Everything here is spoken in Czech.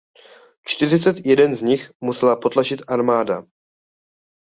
Čtyřicet jeden z nich musela potlačit armáda.